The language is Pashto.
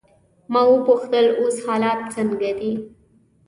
ما وپوښتل: اوس حالات څنګه دي؟